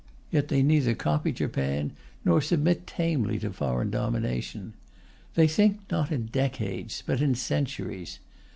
Yet they neither copy Japan nor submit tamely to foreign domination. They think not in decades, but in centuries.